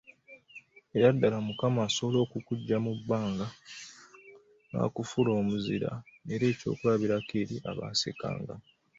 Era ddala Mukama asobola okukuggya mu bbanga n'akufuula omuzira era ekyokulabirako eri abaasekanga.